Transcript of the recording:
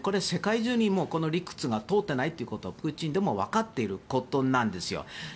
世界中に、この理屈が通っていないということはプーチンでもわかっていることなんですよ。